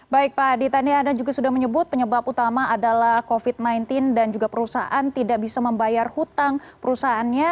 baik pak adita ini ada juga sudah menyebut penyebab utama adalah covid sembilan belas dan juga perusahaan tidak bisa membayar hutang perusahaannya